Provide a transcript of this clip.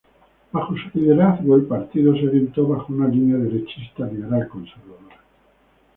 Bajo su liderazgo, el partido se orientó bajo una línea derechista liberal conservadora.